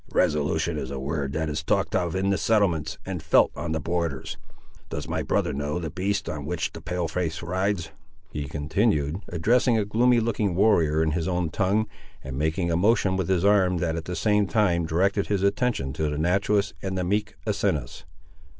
"Resolution is a word that is talked of in the settlements, and felt on the borders. Does my brother know the beast on which the Pale face rides?" he continued, addressing a gloomy looking warrior in his own tongue, and making a motion with his arm that at the same time directed his attention to the naturalist and the meek Asinus.